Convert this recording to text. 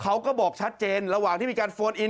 เขาก็บอกชัดเจนระหว่างที่มีการโฟนอิน